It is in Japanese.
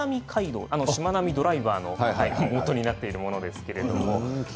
しまなみドライバーのもとになっているしまなみ海道です。